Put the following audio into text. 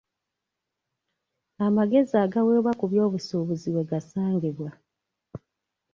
Amagezi agaweebwa ku by'obusuubuzi we gasangibwa.